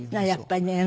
やっぱりね。